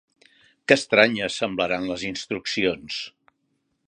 Que estranyes semblaran les instruccions!